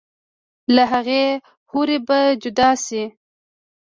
لۀ هغې حورې به جدا شي